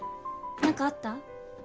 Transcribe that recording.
何かあった？